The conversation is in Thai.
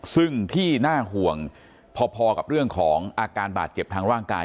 ซึ่งที่น่าห่วงพอกับเรื่องของอาการบาดเจ็บทางร่างกาย